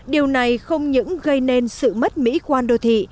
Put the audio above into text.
điều này không những gây nên sự mất mỹ quan đô thị